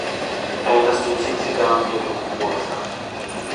Äänestin siksi tämän mietinnön puolesta.